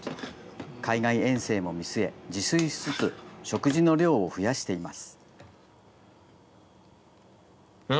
海外遠征も見据え、自炊しつつ、食事の量を増やしています。